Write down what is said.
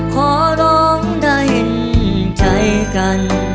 ขอร้องได้เห็นใจกัน